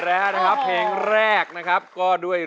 รูปสุดงามสมสังคมเครื่องใครแต่หน้าเสียดายใจทดสกัน